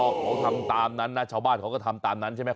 พอเขาทำตามนั้นนะชาวบ้านเขาก็ทำตามนั้นใช่ไหม